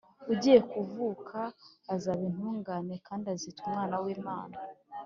ugiye kuvuka azaba intungane kandi azitwa umwana w’imana